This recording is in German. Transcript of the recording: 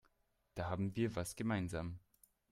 Da haben wir was gemeinsam.